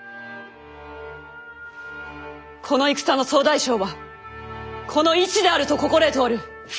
この戦の総大将はこの市であると心得ておる！